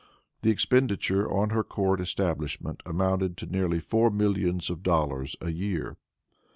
The expenditure on her court establishment amounted to nearly four millions of dollars a year.